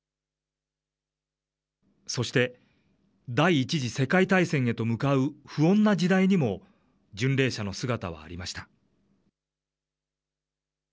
そして、第１次世界大戦へと向かう不穏な時代にも、巡礼者の姿はありました。